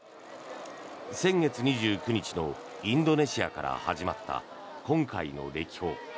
先月２９日のインドネシアから始まった今回の歴訪。